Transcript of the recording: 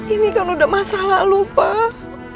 ini kan udah masa lalu pak